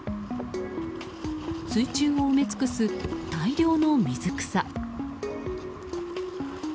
水中を埋め尽くす大量の水草。